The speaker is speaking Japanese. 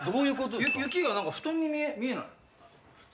雪が布団に見えない？